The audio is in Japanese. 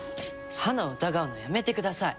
花を疑うのはやめてください。